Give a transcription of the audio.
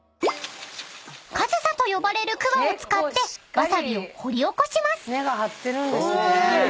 ［かずさと呼ばれるくわを使ってわさびを掘り起こします］